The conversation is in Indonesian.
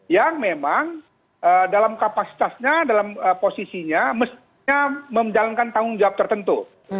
yang memang dalam kapasitasnya dalam posisinya mestinya menjalankan tanggung jawab tertentu